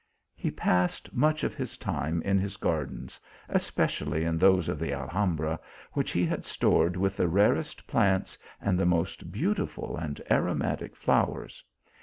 He passed much of his time in his gardens ; es pecially in those of the Alhambra, which he had stored with the rarest plants, and the most beauti ful and aromatic flowers.